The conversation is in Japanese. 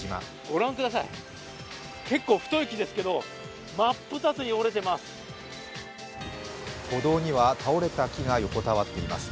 ご覧ください、結構太い木ですけど、真っ二つに折れてます。